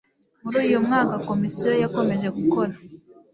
Muri uyu mwaka Komisiyo yakomeje gukora